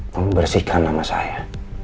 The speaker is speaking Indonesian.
kamu bersihkan nama saya